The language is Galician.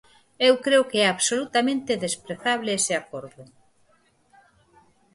Eu creo que é absolutamente desprezable ese acordo.